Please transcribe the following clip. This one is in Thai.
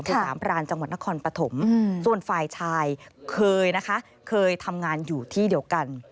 อสามปรานจนครปฐมส่วนฝ่ายชายเคยทำงานอยู่ที่เดียวกัน